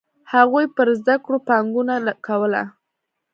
هغوی پر زده کړو پانګونه کوله.